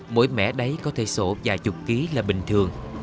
mỗi mẻ đấy có thể sổ vài chục ký là bình thường